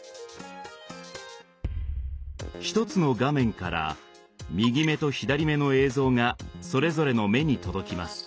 一つの画面から右目と左目の映像がそれぞれの目に届きます。